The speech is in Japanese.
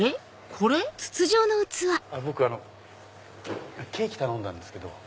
これ⁉僕ケーキ頼んだんですけど。